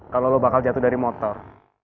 kalau lo bakal jatuh dari motor